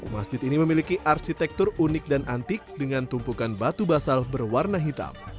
masjid ini memiliki arsitektur unik dan antik dengan tumpukan batu basal berwarna hitam